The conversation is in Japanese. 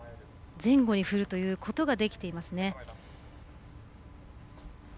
前後に振るということができていますね。